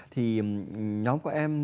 thì nhóm của em